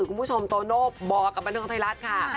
คุณผู้ชมโตโน่บอกกับบันทึงไทยรัฐค่ะ